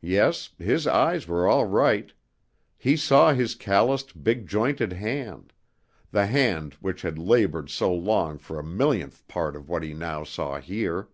Yes, his eyes were all right; he saw his calloused, big jointed hand the hand which had labored so long for a millionth part of what he now saw here.